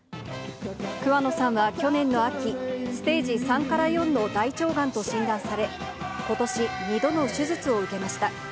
桑野さんは去年の秋、ステージ３から４の大腸がんと診断され、ことし、２度の手術を受けました。